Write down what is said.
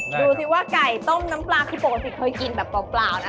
ดูสิว่าไก่ต้มน้ำปลาคือปกติเคยกินแบบเปล่านะ